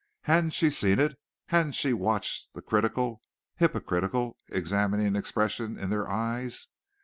Hadn't she seen it! Hadn't she watched the critical, hypocritical, examining expressions in their eyes!